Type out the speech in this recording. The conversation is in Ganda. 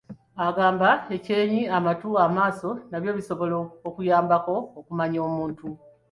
Agamba ekyenyi, amatu, n'amaaso nabyo bisobola okuyambako okumanya omuntu.